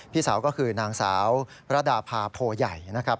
พี่สาวก็คือนางสาวระดาพาโพใหญ่นะครับ